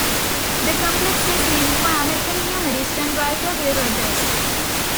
The complex is named for American humorist and writer Will Rogers.